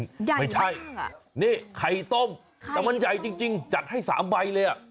ใหญ่ไม่ใช่นี่ไข่ต้มแต่มันใหญ่จริงจัดให้๓ใบเลยอ่ะ